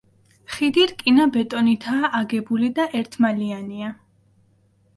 ხიდი რკინა-ბეტონითაა აგებული და ერთმალიანი.